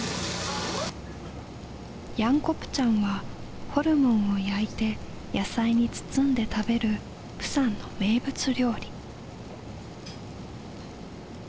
ヤンコプチャンはホルモンを焼いて野菜に包んで食べる釜山の名物料理。